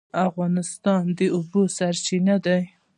افغانستان د اوبو سرچینه ده